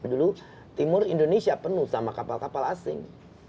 dulu timur indonesia penuh sama kapal kapal asing